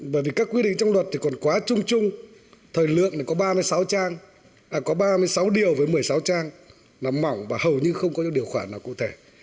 bởi vì các quy định trong luật thì còn quá chung chung thời lượng có ba mươi sáu điều với một mươi sáu trang là mỏng và hầu như không có điều khoản nào cụ thể